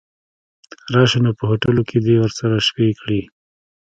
راشه نو په هوټلو کې دې ورسره شپې کړي.